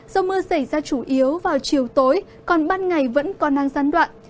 gió mưa xảy ra chủ yếu vào chiều tối còn ban ngày vẫn còn đang gián đoạn